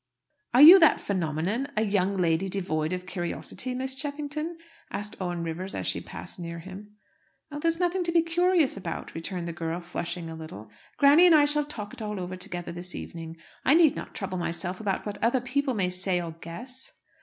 "Are you that phenomenon, a young lady devoid of curiosity, Miss Cheffington?" asked Owen Rivers, as she passed near him. "Oh, there's nothing to be curious about," returned the girl, flushing a little. "Granny and I shall talk it all over together this evening. I need not trouble myself about what other people may say or guess."